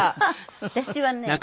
私はね